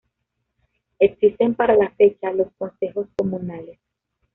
Existen para la fecha los consejos comunales